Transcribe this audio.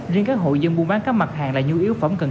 riêng các hội dân buôn bán các mặt hàng là nhu yếu phẩm cần